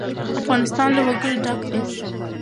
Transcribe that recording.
افغانستان له وګړي ډک دی.